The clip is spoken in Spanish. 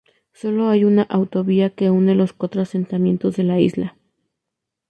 Sólo hay una autovía que une los cuatro asentamientos de la isla.